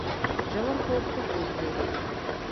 ژورخوب ښه خوب دی